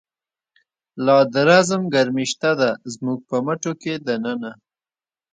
لا د رزم گرمی شته ده، زمونږ په مټو کی د ننه